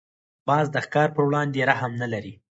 باز د ښکار پر وړاندې رحم نه لري